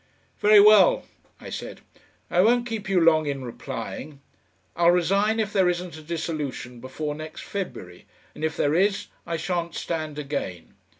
"Very well," I said, "I won't keep you long in replying. I'll resign if there isn't a dissolution before next February, and if there is I shan't stand again.